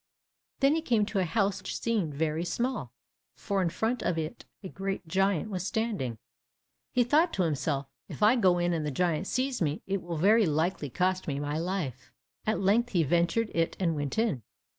Then he came to a house which seemed very small, for in front of it a great giant was standing. He thought to himself, "If I go in, and the giant sees me, it will very likely cost me my life." At length he ventured it and went in.